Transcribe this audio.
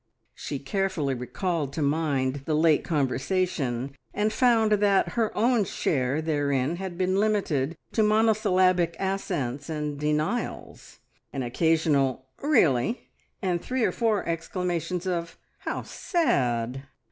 She carefully recalled to mind the late conversation, and found that her own share therein had been limited to monosyllabic assents and denials; an occasional, "Really!" and three or four exclamations of, "How sad!"